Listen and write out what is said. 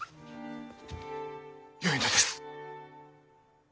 よいのです。